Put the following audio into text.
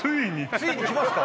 ついに来ますか？